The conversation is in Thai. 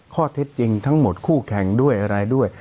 ข้อเท็จจริงทั้งหมดคู่แข่งด้วยอะไรด้วย